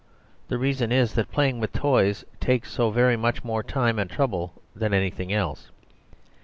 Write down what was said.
The reason is that playing with toys takes so very much more time and trouble than anything else.